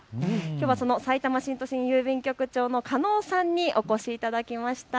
きょうはさいたま新都心郵便局長の加納さんにお越しいただきました。